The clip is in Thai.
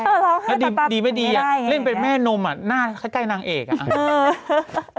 แล้วดีไม่ดีอ่ะเล่นเป็นแม่นมอ่ะหน้าใกล้นางเอกอ่ะ